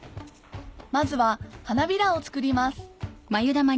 まずは花びらを作ります